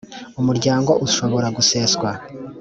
umuryango ushobora guseswa